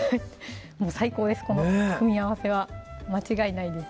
もう最高ですこの組み合わせは間違いないです